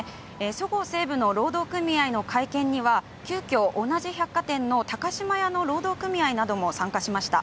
そごう・西武の労働組合の会見には、急きょ、同じ百貨店の高島屋の労働組合なども参加しました。